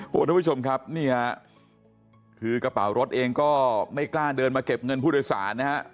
คุณผู้ชมครับนี่ฮะคือกระเป๋ารถเองก็ไม่กล้าเดินมาเก็บเงินผู้โดยสารนะฮะ